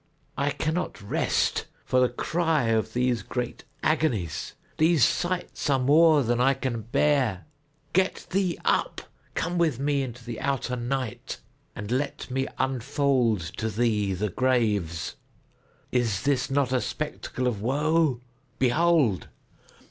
I cannot rest for the cry of these great agonies. These sights are more than I can bear. Get thee up! Come with me into the outer Night, and let me unfold to thee the graves. Is not this a spectacle of woe?—Behold!"